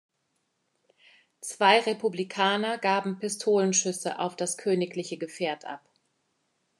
Zwei Republikaner gaben Pistolenschüsse auf das königliche Gefährt ab.